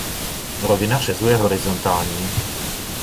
Rovina řezu je horizontální.